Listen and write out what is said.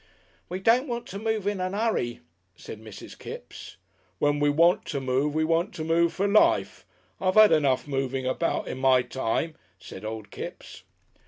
"We don't want to move in a 'urry," said Mrs. Kipps. "When we want to move, we want to move for life. I've had enough moving about in my time," said old Kipps.